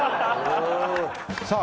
さあ